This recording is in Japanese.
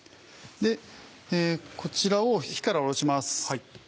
こちらを火から下ろします。